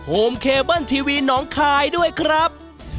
เคเบิ้ลทีวีหนองคายด้วยครับ